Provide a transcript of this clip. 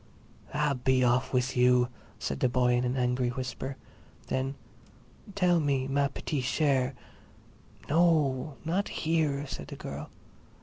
"Ah, be off with you!" said the boy in an angry whisper. Then: "Tell me, ma petite chère—" "No, not here," said the girl.